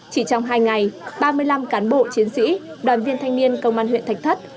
chỉ trong hai ngày ba mươi năm cán bộ chiến sĩ đoàn viên thanh niên công an huyện thạch thất